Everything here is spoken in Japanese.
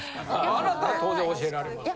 あなたは当然教えられますよ。